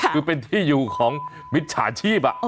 คือเป็นที่อยู่ของมิจฉาชีพ